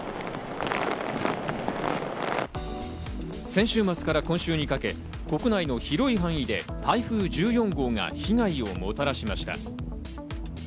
先週末から今週にかけ、国内の広い範囲で台風１４号が被害をもたらしました。